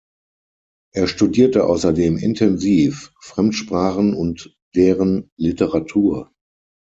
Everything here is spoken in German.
Er studierte außerdem intensiv Fremdsprachen und deren Literatur.